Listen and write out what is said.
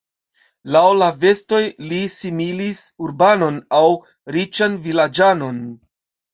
Laŭ la vestoj, li similis urbanon aŭ riĉan vilaĝanon.